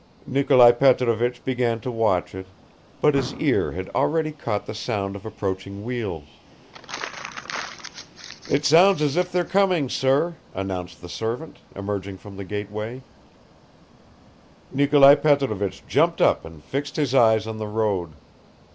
Nikolai Petrovich began to watch it, but his ear had already caught the sound of approaching wheels ... "It sounds as if they're coming, sir," announced the servant, emerging from the gateway. Nikolai Petrovich jumped up and fixed his eyes on the road.